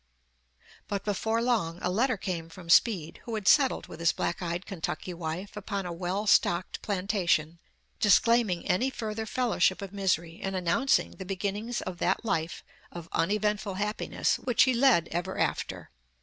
But before long a letter came from Speed, who had settled with his black eyed Kentucky wife upon a well stocked plantation, disclaiming any further fellowship of misery and announcing the beginnings of that life of uneventful happiness which he led ever after.